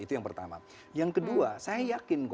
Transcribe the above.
itu yang pertama yang kedua saya yakin